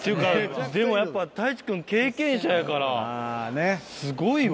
でもやっぱ太一君経験者やからすごいわ。